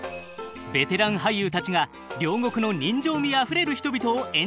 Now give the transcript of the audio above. ベテラン俳優たちが両国の人情味あふれる人々を演じました。